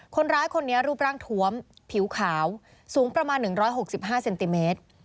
คนร้ายคนนี้รูปร่างทวมผิวขาวสูงประมาณ๑๖๕เซนติเมตร